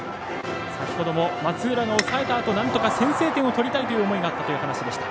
先ほども松浦の抑えたあとなんとか先制点を取りたいという思いと話していました。